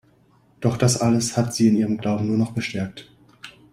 Doch das alles hat sie in ihrem Glauben nur noch bestärkt.